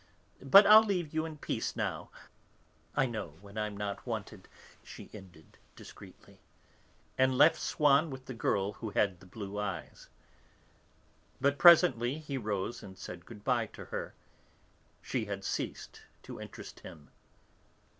But I'll leave you in peace now, I know when I'm not wanted," she ended discreetly, and left Swann with the girl who had the blue eyes. But presently he rose and said good bye to her. She had ceased to interest him.